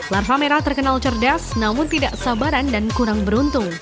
larva merah terkenal cerdas namun tidak sabaran dan kurang beruntung